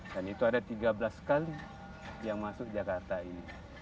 dan itu ada tiga belas kali yang masuk jakarta ini